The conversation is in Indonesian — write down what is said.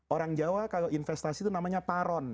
orang jawa kalau investasi itu namanya paron